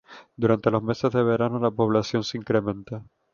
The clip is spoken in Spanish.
Durante los meses de verano, la población se incrementa.